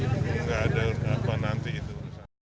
tidak ada apa nanti itu